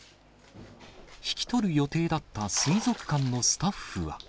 引き取る予定だった水族館のスタッフは。